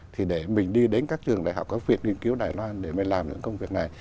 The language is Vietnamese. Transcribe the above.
thì để mình đi đến các trường đại học các viện nghiên cứu đài loan để mình làm những công việc này